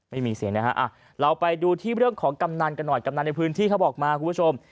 ไม่มีเสียงนะฮะเราไปดูที่เรื่องของกำนันกันหน่อยกำนันในพื้นที่เขาบอกมาคุณผู้ชม